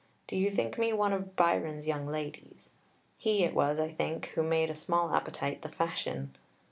Do you think me one of Byron's young ladies? He, it was, I think, who made a small appetite the fashion.